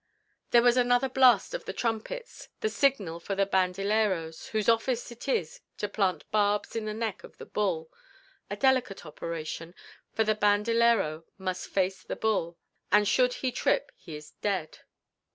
There was another blast of the trumpets, the signal for the banderilleros whose office it is to plant barbs in the neck of the bull a delicate operation, for the banderillero must face the bull, and should he trip he is dead.